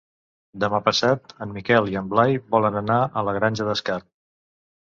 Demà passat en Miquel i en Blai volen anar a la Granja d'Escarp.